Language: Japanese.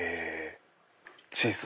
チーズ。